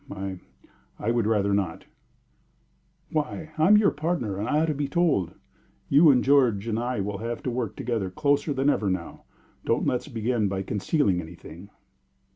"I I would rather not" "Why? I'm your partner, and I ought to be told, You and George and I will have to work together closer than ever now. Don't let's begin by concealing anything."